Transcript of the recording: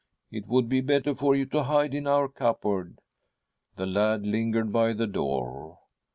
' It would be better for you to hide in our cupboard.' The lad lingered by the door.